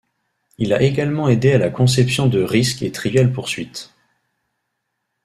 Il a également aidé à la conception de Risk et Trivial Pursuit.